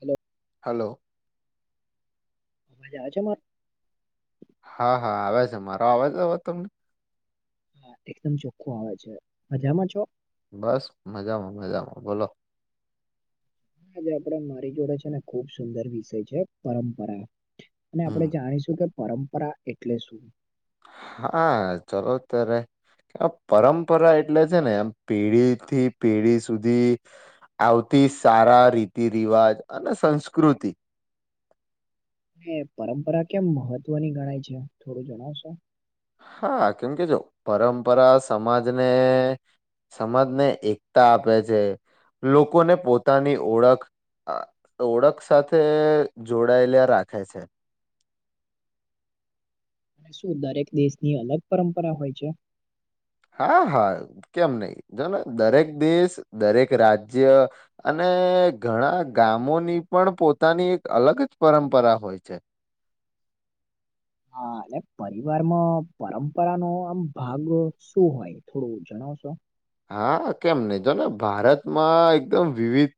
Hello. Hello! [unintelligible] હા હા, આવે છે, મારો આવે છે, તમને. હા, એકદમ ચોખ્ખું આવે છે, મજામાં છો. બસ મજામાં મજામાં બોલો. હજ આપડે મારી જોડે છે ને ખુબ સુંદર વિષય છે, પરંપરા. અને હમ આપણેે જાણીશું કે પરંપરા એટલે શું. હા, ચલો ત્યારે. કે પરંપરા એટલે છે, ને એમ પેઢી થી પેઢી સુધી. સૌથી સારા રીતિ રિવાજ અને સંસ્કૃતિ. પરંપરા કેમ મહત્વની ગણાય છે, થોડું જણાવશો. હા, કેમ કેજો પરંપરા સમાજને. સમાજને એકતા આપે છે, લોકોને પોતાની ઓળખ. ઓળખ સાથે જોડાયેલા રાખે છે. [inaudible] શું દરેક દેશની અલગ પરંપરા હોય છે? હા હા, કેમ નહી જોને દરેક દેશ દરેક રાજ્ય અને. ઘણા ગામોની પણ પોતાની એક અલગ જ પરંપરા હોય છે. [inaudible] અને પરિવારમાં પરંપરા નો આમ ભાગ શું હોય થોડું જણાવશો. હા, કેમ નહી જોને ભારતમાં એકદમ વિવિધ.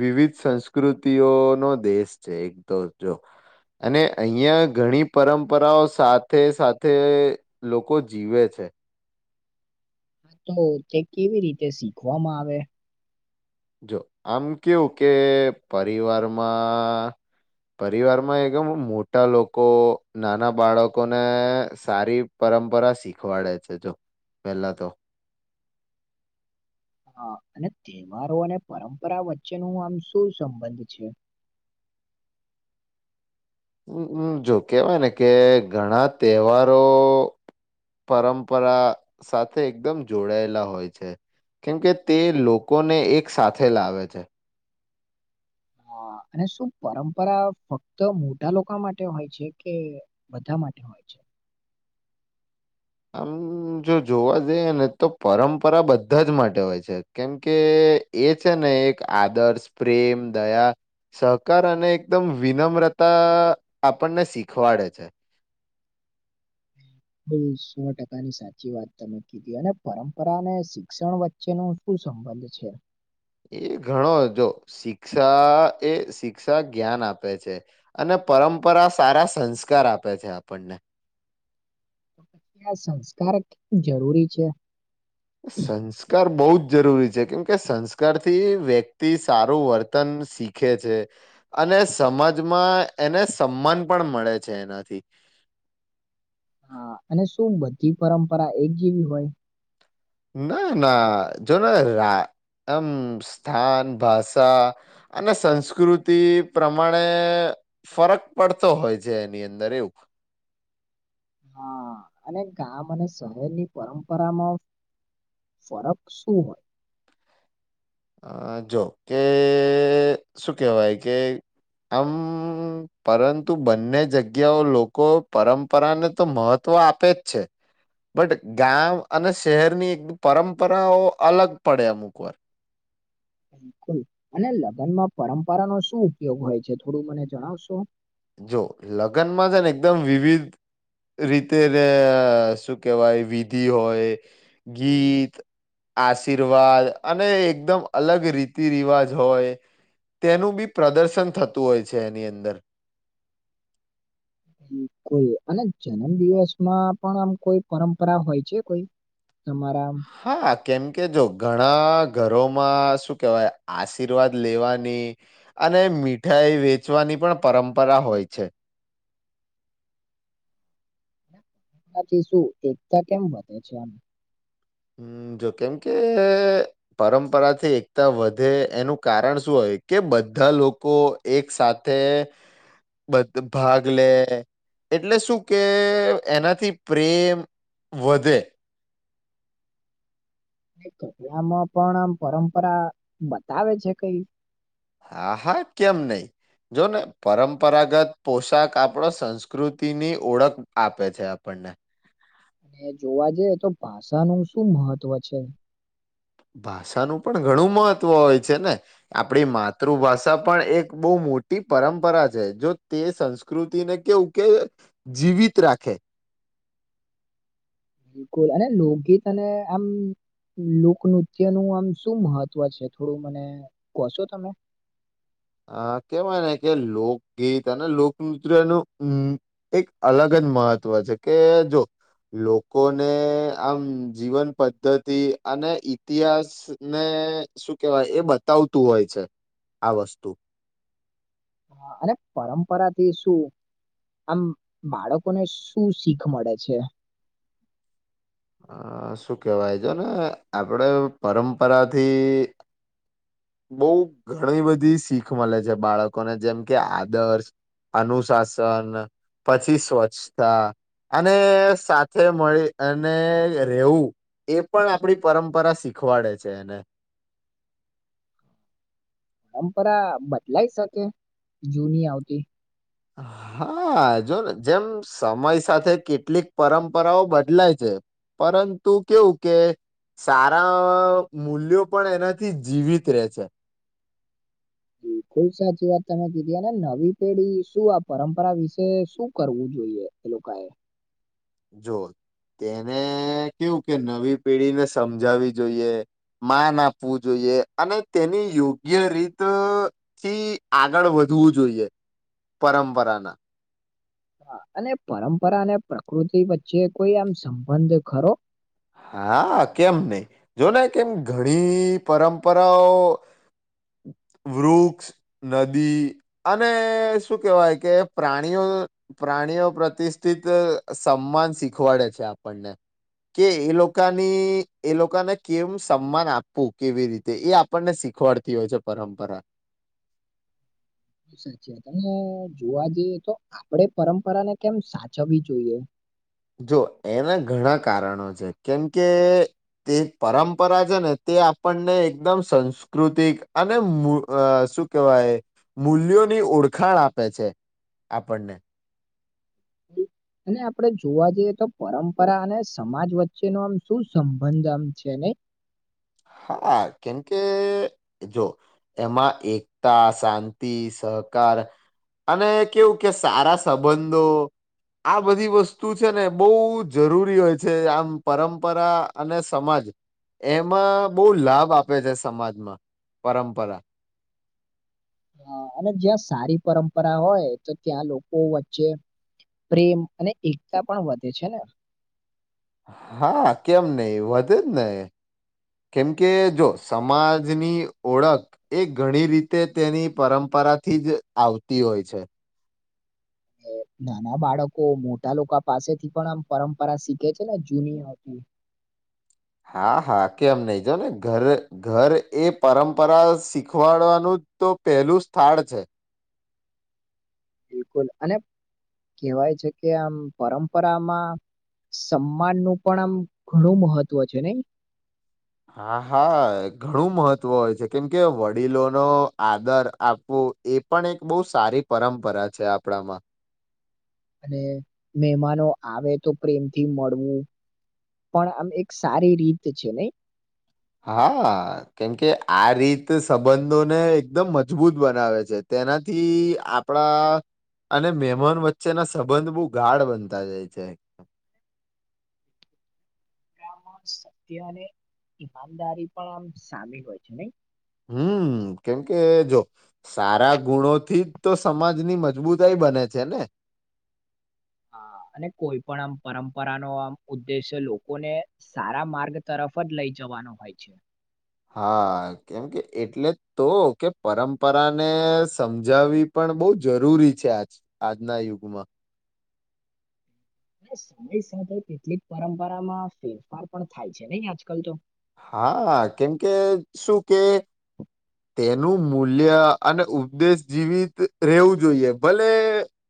વિવિધ સંસ્કૃતિઓ નો દેશ છે, એક તો જો. અને અહિયાં ઘણી પરંપરાઓ સાથે સાથે લોકો જીવે છે. [inaudible] હા, તો તે કેવી રીતે શીખવામાં આવે. જો આમ કેવું કે પરિવારમાં. પરિવાર માં એકમ મોટા લોકો નાના બાળકોને સારી પરંપરા શીખવાડે છે, જો પેલા તો. [inaudible] હા અને તહેવારો અને પરંપરા વચ્ચે નું આમ શું સંબંધ છે? [inaudible] મ જો કેહેવાય ને કે ઘણા તહેવારો પરંપરા સાથે એકદમ જોડાયેલા હોય છે. કેમ કે, તે લોકોને એક સાથે લાવે છે. હા. અને શું પરંપરા ફક્ત મોટા લોકો માટે હોય છે કે બધા માટે હોય છે? [inaudible] આમ જો જોવા જઈએ ને તો પરંપરા બધા જ માટે હોય છે કેમકે એ છે ને એક આદર્શ પ્રેમ દયા. સહકાર અને એકદમ વિનમ્રતા આપણને શીખવાડે છે. [inaudible] ઉમ સો ટકા ની સાચી વાત તમે કીધી અને પરંપરાને શિક્ષણ વચ્ચેનું શું સંબંધ છે? એ ઘણો જો શિક્ષા એ શિક્ષા જ્ઞાન આપે છે, અને પ પરંપરા સારા સંસ્કાર આપે છે આપણને. આ સંસ્કાર જરૂરી છે? સંસ્કાર બહુ જ જરૂરી છે કેમ કે સંસ્કાર થી વ્યક્તિ સારું વર્તન શીખે છે, આ અને સમાજમાં એને સન્માન પણ મળે છે એનાથી. [inaudible] અને શું બધી પરંપરા એક જેવી હોય? ના ના જોને એમ સ્થાન ભાષા, અને સંસ્કૃતિ પ્રમાણે ફરક પડતો હોય છે એની અંદર એવું. હા અને ગામ અને શહેરની પરંપરામાં ફરક શું હોય? અ જો કે શું કેહેવાય કે આમ પરંતુ બંને જગ્યાઓ લોકો પરંપરાને તો મહત્વ આપે જ છે. બટ ગામ અને શહેરની એક પરંપરાઓ અલગ પડે અમુક વાર. બકુલ અને લગ્નમાં પરંપરા નો શું ઉપયોગ હોય છે થોડું મને જણાવશો? જો લગ્નમાં છે ને એકદમ વિવિધ રીતે શું કેહેવાય વિધિ હોય, ગીત આશીર્વાદ અને એકદમ અલગ રીતિ રિવાજ હોય. તેનું બી પ્રદર્શન થતું હોય છે એની અંદર. હમ. કોઈ અને જન્મ દિવસમાં પણ આમ કોઈ પરંપરા હોય છે કોઈ? તમારા હા. કેમ કે જો ઘણા ઘરોમાં શું કેહેવાય આશીર્વાદ લેવાની, આ અને મીઠાઈ વેચવાની પણ પરંપરા હોય છે. થી શું એકતા કેમ વધે છે આમ? હમ જો કેમકે પરંપરાથી એકતા વધે એનું કારણ શું હોય. કે બધા લોકો એક સાથે બધ ભાગ લે. એટલે શું કે એનાથી પ્રેમ વધે. કપિયામાં પણ આમ પરંપરા બતાવે છે કઈ? હા હા કેમ નહી. જો ને પરંપરાગત પોશાક આપણો સંસ્કૃતિની ઓળખ આપે છે આપણ ન. હને. અને જોવા જઈએ તો ભાષાનુ શું મહત્વ છે. ભાષાનું પણ ઘણું મહત્વ હોય છે ને આપડી માતૃભાષા પણ એક બહુ મોટી પરંપરા છે જો તે સંસ્કૃતિને કેવું કે જીવિત રાખે. બિલકુલ અને લોકગીત અને આમ લોકનૃત્ય નું આમ શું મહત્વ છે થોડું મને કોહશો તમે. અ કેવાય ને કે લોકગીત અને લોકનૃત્યનુંમ એક અલગ જ મહત્વ છે કે જો લોકોને આમ જીવન પદ્ધતિ અને ઈતિહાસ ને શું કેહેવાય એ બતાવતું હોય છે આ વસ્તુ. હ અને પરંપરાથી શું આમ બાળકોને શું શીખ મળે છે અ શું કેહેવાય જો ને આપણેે પરંપરાથી બઉ ઘણી બધી શીખ મળે છે બાળકોને જેમ કે આદર્શ અનુશાસન પછી સ્વચ્છતા અને સાથે મળી અને રહેેવું એ પણ આપણી પરંપરા શીખવાડે છે એને [unintelligible] પરંપરા બદલાય શકે જૂની આવતી હા જો ને જેમ સમય સાથે કેટલીક પરંપરાઓ બદલાય છે પરંતુ કેવું કે સારા મૂલ્યો પણ એનાથી જીવિત રહેે છે [inaudible] બિલકુલ સાચી વાત તમે કીધી ને નવી પેઢી શું આ પરંપરા વિશે શું કરવું જોઈએ એ લોકોકાએ જો તેને કેવું કે નવી પેઢીને સમજાવી જોઈએ માન આપવું જોઈએ અને તેની યોગ્ય રીત થી આગળ વધ જોવું જોઈએ પરંપરાના અને પરંપરા અને પ્રકૃતિ વચ્ચે કોઈ આમ સંબંધ ખરો હા કેમ નહી જોને કેમ ઘણી પરંપરાઓ વૂક્ષ નદી અને શું કેહેવાય કે પ્રાણીઓ પ્રાણીઓ પ્રતિષ્ઠિત સમાન શીખવાડે છે આપણને કે એ લોકોની એ લોકોને કેમ સન્માન આપવું કેવી રીતે એ આપણને શીખ શીખવાડતી હોય છે પરંપરા સાચી વાત અને જોવા જઈએ તો આપડે પરંપરાને કેમ સાચવવી જોઈએ જો એના ઘણા કારણો છે કેમ કે તે પરંપરા છે ને તે આપણને એકદમ સંસ્કૃતિક અને મુ અ શું કેહેવાય મૂલ્યોની ઓળખાણ આપે છે આપણને અને આપણેે જોવા જઈએ તો પરંપરા અને સમાજ વચ્ચેનો આમ શું સંબંધ આમ છે નહી [inaudible] હા કેમકે જો એમાં એકતા શાંતિ સ કાર અને કેવું કે સારા સંબંધો આ બધી વસ્તુ છે ને બહુ જરૂરી હોય છે આમ પરંપરા અને સમાજ એમાં બહુ લાભ આપે છે સમાજમાં પરંપરા હ અને જ્યાં સારી પરંપરા હોય તો ત્યાં લોકો વચ્ચે પ્રેમ અને એકતા પણ વધે છે ને હા કેમ નહી વધે જ ને કેમ કે જો સમાજની ઓળખ એ ઘણી રીતે તેની પરંપરા પરાથી જ આવતી હોય છે. [unintelligible] નાના બાળકો મોટા લોકો પાસેથી પણ આમ પરંપરા શીખે છે ને જૂની હતી [unintelligible] હા હા કેમ નહી જો ને ઘરે ઘર એ પરંપરાઓ શીખવાડવાનું જ તો પહેલું સ્થાળ છે. બિલકુલ અને કેહેવાય છે કે આમ પરંપરામાં સન્માન નું પણ આમ ઘણું મહત્વ છે નઈ? હા હા ઘણું મહત્વ હોય છે. કેમ કે વડીલો નો આદર આપવો એ પણ એક બહુ સારી પરંપરા છે આપણામાં. અને મહેમાનો આવે તો પ્રેમથી મળવું. પણ આમ એક સારી રીત છે નઈ? હા, કેમકે આ રીત સંબંધોને એકદમ મજબૂત બનાવે છે. તેનાથી આપણા અને મેમાન વચ્ચેના સંબંધ બહુ ગાઢ બનતા જાય છે. [inaudible] સત્ય અને ઈમાનદારી પણ આમ સામે હોય છે નઈ? હમ્મ, કેમકે જો સારા ગુણો થી તો સમાજની મજબૂતાઈ બને છે ને. [inaudible] હા અને કોઈ પણ આમ પરંપરા નો આમ ઉદ્દેશ્ય લોકોને સારા માર્ગ તરફ સફદ લઈ જવાનો હોય છે. હા, કેમ કે એટલે તો કે પરંપરાને સમજાવવી પણ બહુ જરૂરી છે આ આજના યુગમાં. [inaudible] સમય સાથે કેટલીક પરંપરામાં ફેરફાર પણ થાય છે નહી આજકાલ તો? હા, કેમ કે શું કે એનું મૂલ્ય અને ઉપદેશ જીવિત રહેેવું જોઈએ ભલે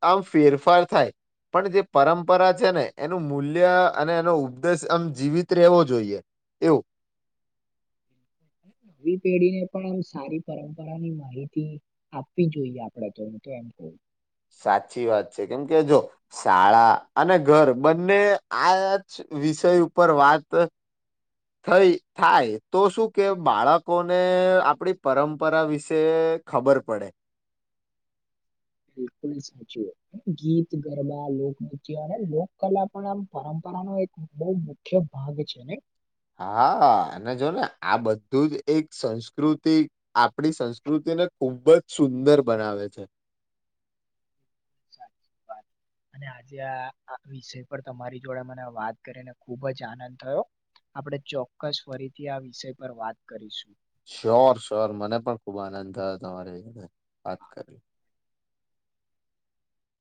આમ ફેર ફાર થાય. પણ જે પરંપરા છે ને એનું મૂલ્ય અને એનો ઉપદેશ આમ જીવિત રહેવો જોઈએ. એવું. [inaudible] નવી પેઢીને પણ આમ સારી પરંપરાની માહિતી આપવી જોઈએ આપડે તો તો એમ કવ. સાચી વાત છે, કેમ કે જો શાળા અને ઘર બંને આચ વિષય ઉપર વાત થઈ થાય તો શું કે બાળકોને આપણી પરંપરા વિશે ખબર પડે. [inaudible] બિલકુલ સાચું. ગીત, ગરબા, લોકનૃત્ય અને લોક કલા પણ આમ પરંપરા ને એક બવ મુખ્ય ભાગ છે નઈ? હા અને જો ને આ બધું જ એક સંસ્કૃતી આપડી સંસ્કૃતિ તેને ખુબ જ સુંદર બનાવે છે. સાચી વાત. અને આજે આ આ વિષય પર તમારી જોડે મને વાત કરીને ખુબ જ આનંદ થયો આપડણે ચોક્કસ ફરીથી આ વિષય પર વાત કરીશું. શ્યોર સ્યોર મને પણ ખુબ આનંદ થયો તમારી વાત કરવી.